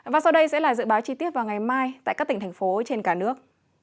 và sau đây sẽ là dự báo chi tiết vào ngày mai tại các tỉnh thành phố trên cả nước